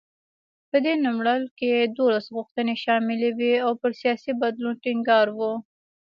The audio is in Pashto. په دې نوملړ کې دولس غوښتنې شاملې وې او پر سیاسي بدلون ټینګار و.